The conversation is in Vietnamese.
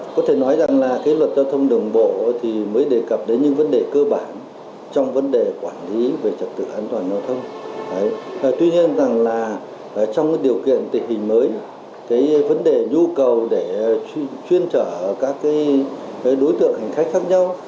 chuyên trợ các đối tượng hành khách khác nhau